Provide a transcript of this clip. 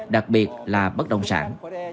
đặc biệt là bất động sản